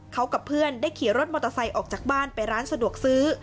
เขากับเพื่อนได้ขี่รถมอเตอร์ไซค์ออกจากบ้านไปร้านสะดวกซื้อ